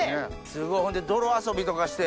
すごいほんで泥遊びとかして。